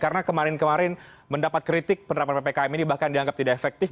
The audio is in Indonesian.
karena kemarin kemarin mendapat kritik penerapan ppkm ini bahkan dianggap tidak efektif